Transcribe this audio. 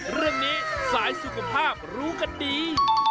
เรื่องนี้สายสุขภาพรู้กันดี